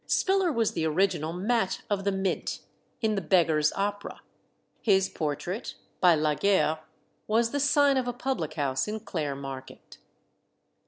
Spiller was the original Mat of the Mint in the "Beggars' Opera." His portrait, by Laguerre, was the sign of a public house in Clare Market.